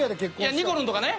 いやにこるんとかね。